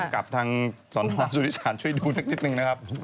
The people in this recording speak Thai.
กลับทางสอนฐานสุธิศาลช่วยดูนิดนิดนึงนะครับ